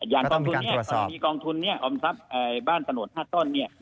อย่างมีกองทุนเนี่ยออมทรัพย์บ้านสะโหด๕ต้นเนี่ย